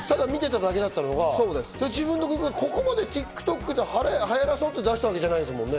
自分の曲がここまでＴｉｋＴｏｋで流行らそうって出したわけじゃないですもんね。